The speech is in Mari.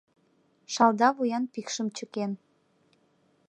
Шалда вуян пикшым чыкен